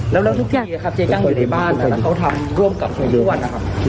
แล้วทุกทีเจ๊จ้างอยู่ในบ้านแล้วเขาทำร่วมกับผู้อ่อนนะครับ